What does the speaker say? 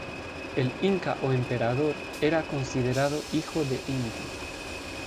El Inca o emperador, era considerado hijo de Inti.